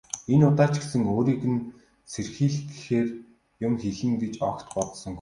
Энэ удаа ч гэсэн өөрийг нь сэрхийлгэхээр юм хэлнэ гэж огт бодсонгүй.